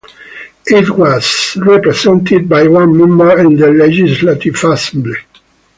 It was represented by one member in the Legislative Assembly.